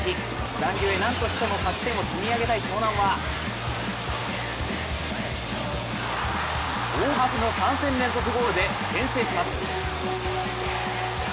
残留へ、なんとしても勝ち点を積み上げたい湘南は大橋の３戦連続ゴールで先制します。